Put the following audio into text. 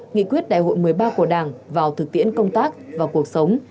nghị quyết đại hội một mươi ba của đảng vào thực tiễn công tác và cuộc sống